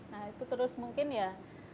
nah itu terus mungkin ya